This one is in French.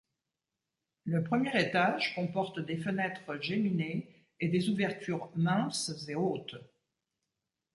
Le premier étage comporte des fenêtres géminées et des ouvertures minces et hautes.